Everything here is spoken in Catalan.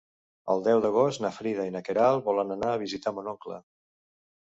El deu d'agost na Frida i na Queralt volen anar a visitar mon oncle.